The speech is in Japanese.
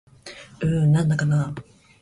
うーん、なんだかなぁ